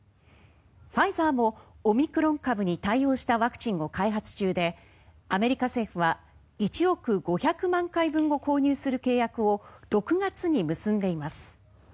ファイザーもオミクロン株に対応したワクチンを開発中でアメリカ政府は１億５００万回分を購入する契約を６月に結んでいます。